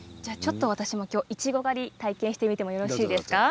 私もいちご狩り体験してみてもいいですか？